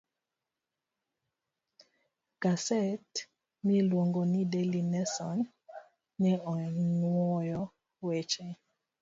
Gaset miluongo ni "Daily Nation" ne onwoyo weche